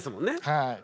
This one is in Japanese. はい。